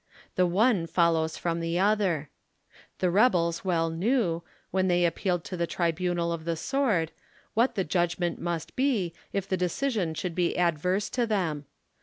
The one follows from the other. The rebels well knew, when they appealed to the tribunal of the sword, what the judgment must be, if the decision should be adverse to them.